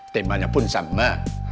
temanya pun sama